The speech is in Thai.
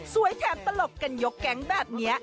สวยแทบตลกกันยกแก๊งแบบนี้